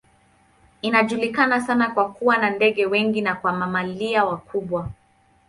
Inajulikana sana kwa kuwa na ndege wengi na kwa mamalia wakubwa.